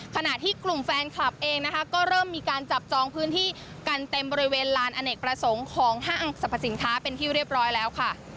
ขณะที่กลุ่มแฟนคลับเองนะคะก็เริ่มมีการจับจองพื้นที่กันเต็มบริเวณลานอเนกประสงค์ของห้างสรรพสินค้าเป็นที่เรียบร้อยแล้วค่ะ